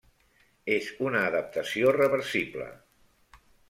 És una adaptació reversible.